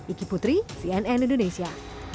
iki putri cnn indonesia